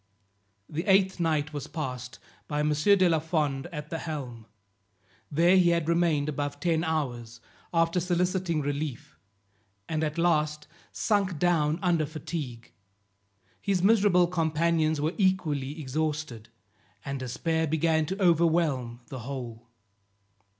The eighth night was passed by M. de la Fond at the helm; there he had remained above ten hours, after soliciting relief, and at last sunk down under fatigue. His miserable companions were equally exhausted, and despair began to overwhelm the whole.